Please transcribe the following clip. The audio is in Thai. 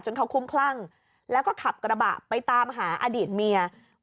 เขาคุ้มคลั่งแล้วก็ขับกระบะไปตามหาอดีตเมีย